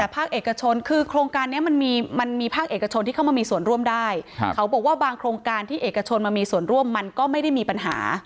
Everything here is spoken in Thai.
ภาคเอกชนคือโครงการนี้มันมีภาคเอกชนที่เข้ามามีส่วนร่วมได้เขาบอกว่าบางโครงการที่เอกชนมามีส่วนร่วมมันก็ไม่ได้มีปัญหา